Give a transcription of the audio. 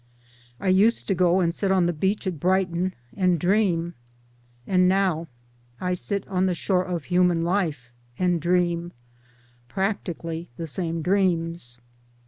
I used to go and sit on the beach at Brighton and dream, and nowi I sit on the shore of human life and dream practically the same dreams.